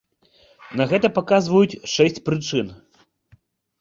На гэта паказваюць шэсць прычын.